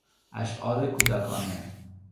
اشعار کودکانه